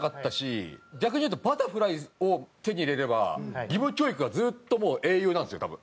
逆に言うとバタフライを手に入れれば義務教育がずっともう英雄なんですよ多分。